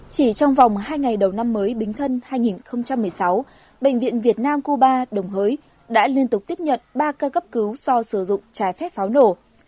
chỉ trong vòng hai ngày đầu năm mới bính thân hai nghìn một mươi sáu bệnh viện việt nam cuba đồng hới đã liên tục tiếp nhận ba ca cấp cứu do sử dụng trái phép pháo nổ